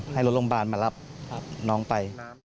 ให้รถโรงพยาบาลมารับน้องไป